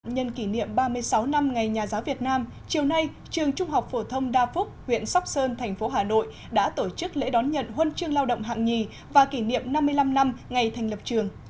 nhân kỷ niệm ba mươi sáu năm ngày nhà giáo việt nam chiều nay trường trung học phổ thông đa phúc huyện sóc sơn thành phố hà nội đã tổ chức lễ đón nhận huân chương lao động hạng nhì và kỷ niệm năm mươi năm năm ngày thành lập trường